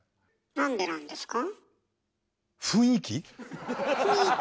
なんでなんですか？